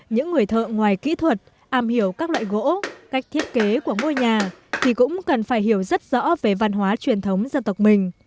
những người thợ ngoài kỹ thuật am hiểu các loại gỗ cách thiết kế của ngôi nhà thì cũng cần phải hiểu rất rõ về văn hóa truyền thống dân tộc mình